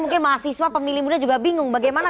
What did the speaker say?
mungkin mahasiswa pemilih muda juga bingung bagaimana